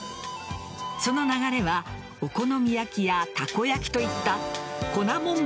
その流れはお好み焼きやたこ焼きといった粉もん